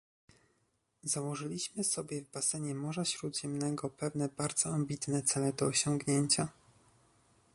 Założyliśmy sobie w basenie Morza Śródziemnego pewne bardzo ambitne cele do osiągnięcia